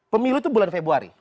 pemilu tuh bulan februari